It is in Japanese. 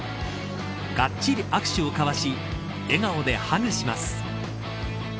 がっちり握手を交わし笑顔でハグします。